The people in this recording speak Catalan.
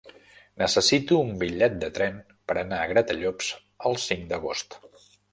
Necessito un bitllet de tren per anar a Gratallops el cinc d'agost.